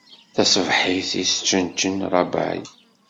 Taṣebḥit, isčenčen rrabay.